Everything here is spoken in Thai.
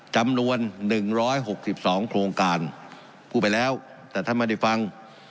จำนวนหนึ่งร้อยหกสิบสองโครงการพูดไปแล้วแต่ถ้ามันได้ฟัง